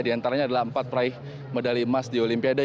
diantaranya adalah empat praih medali emas di olimpiade